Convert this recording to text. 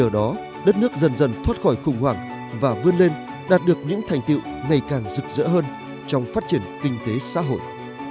đồng chí nguyễn văn linh đang dựng dỡ hơn trong phát triển kinh tế xã hội